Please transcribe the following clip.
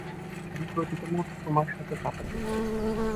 আমি প্রতিটা মুহূর্ত তোমার সাথে কাটাতে চাই।